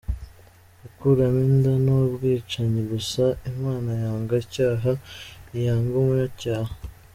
gukuramo inda ni ubwicanyi gusa imana yanga icyaha ntiyanga umunyacyaha!.